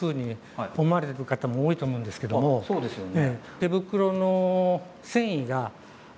そうですよね。